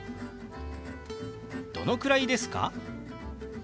「どのくらいですか？」。